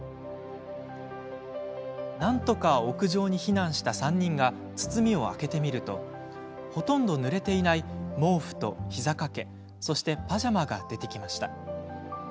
なんとか屋上に避難した３人が包みを開けてみるとほとんどぬれていない毛布と膝掛け、そしてパジャマが出てきました。